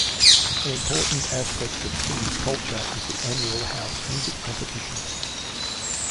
An important aspect of King's culture is the annual House Music competition.